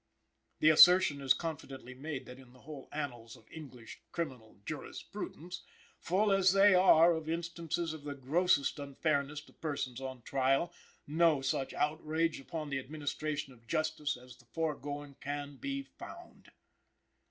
The assertion is confidently made that in the whole annals of English criminal jurisprudence, full as they are of instances of the grossest unfairness to persons on trial, no such outrage upon the administration of justice as the foregoing can be found.